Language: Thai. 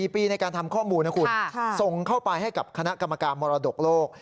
๔ปีในการทำข้อมูลนะคุณส่งเข้าไปให้กับคณะกรรมการมรดกโลก